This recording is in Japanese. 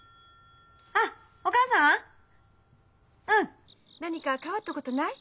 あお母さんうん。何か変わったことない？